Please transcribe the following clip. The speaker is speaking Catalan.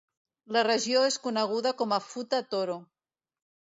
La regió és coneguda com a Futa Toro.